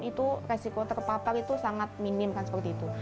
itu resiko terpapar itu sangat minim kan seperti itu